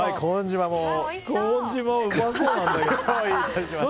コーン島、うまそうなんだけど。